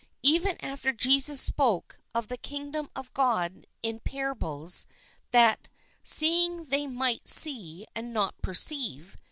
Ever after Jesus spoke of the Kingdom of God in parables that " seeing they might see and not perceive."